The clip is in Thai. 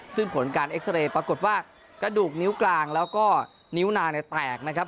ซึ่งผลการเอ็กซาเรย์ปรากฏว่ากระดูกนิ้วกลางแล้วก็นิ้วนางเนี่ยแตกนะครับ